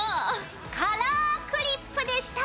カラークリップでした！